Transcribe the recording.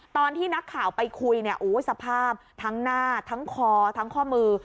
ตอนที่นักข่าวไปคุยเนี่ยโอ้ยสภาพทั้งหน้าทั้งคอทั้งข้อมือ